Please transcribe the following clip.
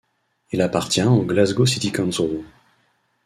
Il appartient au Glasgow City Council.